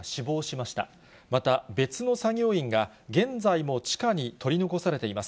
また別の作業員が、現在も地下に取り残されています。